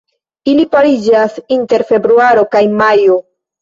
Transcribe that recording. Ili pariĝas inter februaro kaj majo.